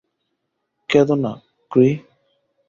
কেঁদো না, ক্রি।